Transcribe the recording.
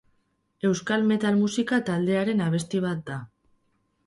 Euskal metal musika taldearen abesti bat da.